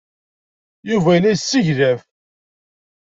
Yuba yella yesseglaf.